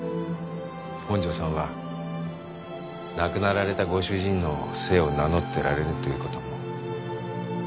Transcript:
本庄さんは亡くなられたご主人の姓を名乗ってられるということも。